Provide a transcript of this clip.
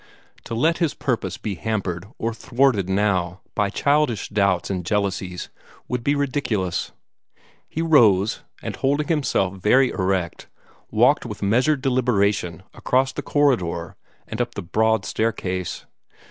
To let his purpose be hampered or thwarted now by childish doubts and jealousies would be ridiculous. He rose, and holding himself very erect, walked with measured deliberation across the corridor and up the broad staircase.